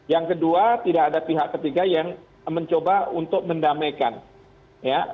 yang kedua tidak ada pihak ketiga yang mencoba untuk mendamaikan ya